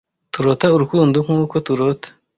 turota urukundo nkuko turota